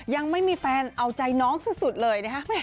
ยังไม่มีแฟนเอาใจน้องสุดเลยนะฮะ